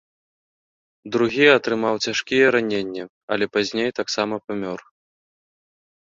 Другі атрымаў цяжкія раненні, але пазней таксама памёр.